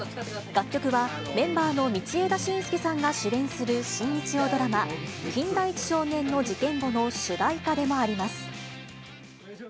楽曲は、メンバーの道枝駿佑さんが主演する新日曜ドラマ、金田一少年の事件簿の主題歌でもあります。